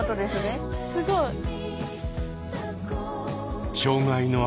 すごい。